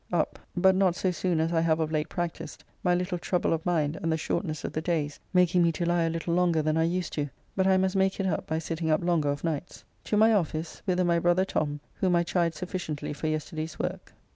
Up, but not so soon as I have of late practised, my little trouble of mind and the shortness of the days making me to lie a little longer than I used to do, but I must make it up by sitting up longer of nights. To my office, whither my brother Tom, whom I chide sufficiently for yesterday's work.